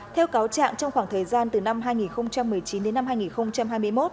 theo cáo trạng trong khoảng thời gian từ năm hai nghìn một mươi chín đến năm hai nghìn hai mươi một